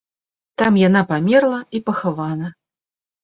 Там яна памерла і пахавана.